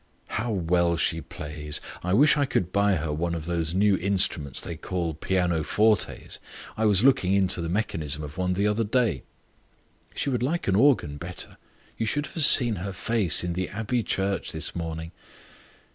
"How well she plays! I wish I could buy her one of those new instruments they call 'pianofortes;' I was looking into the mechanism of one the other day." "She would like an organ better. You should have seen her face in the Abbey church this morning."